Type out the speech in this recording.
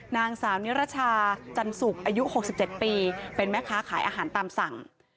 นางสาวนิรชาจันสุกอายุ๖๗ปีเป็นแม่ค้าขายอาหารตามสั่ง